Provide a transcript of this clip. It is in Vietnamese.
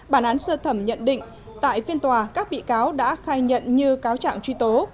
bản án sơ thẩm nhận định tại phiên tòa các bị cáo đã khai nhận như cáo trạng truy tố